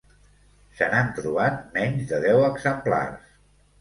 Se n'han trobat menys de deu exemplars.